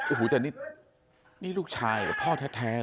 โอ้โหแต่นี่ลูกชายพ่อแท้หรือ